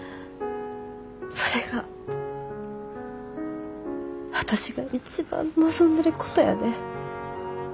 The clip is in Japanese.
それが私が一番望んでることやで。